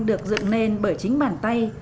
được dựng nên bởi chính bàn tay